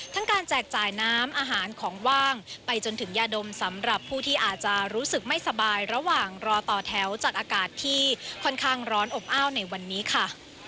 การแจกจ่ายน้ำอาหารของว่างไปจนถึงยาดมสำหรับผู้ที่อาจจะรู้สึกไม่สบายระหว่างรอต่อแถวจากอากาศที่ค่อนข้างร้อนอบอ้าวในวันนี้ค่ะ